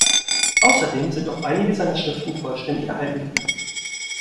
Außerdem sind auch einige seiner Schriften vollständig erhalten geblieben.